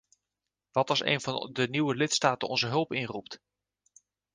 Wat als een van de nieuwe lidstaten onze hulp inroept?